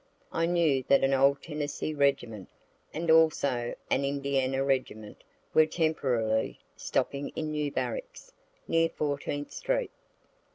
I knew that an old Tennessee regiment, and also an Indiana regiment, were temporarily stopping in new barracks, near Fourteenth street.